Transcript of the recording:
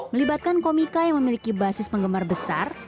melibatkan komika yang memiliki basis penggemar besar